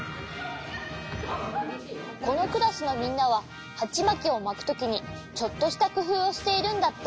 このクラスのみんなははちまきをまくときにちょっとしたくふうをしているんだって！